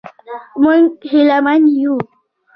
موږ هیله من یو.